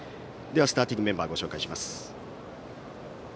スターティングメンバーをご紹介します。